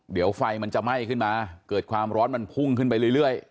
เดี๋ยวไฟมันจะไหม้ขึ้นมาเกิดความร้อนมันพุ่งขึ้นไปเรื่อย